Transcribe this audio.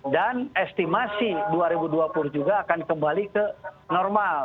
dan estimasi dua ribu dua puluh juga akan kembali ke normal